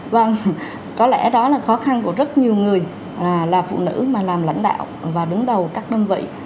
vâng có lẽ đó là khó khăn của rất nhiều người là phụ nữ mà làm lãnh đạo và đứng đầu các đơn vị